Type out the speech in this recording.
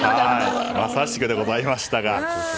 まさしくでございましたが。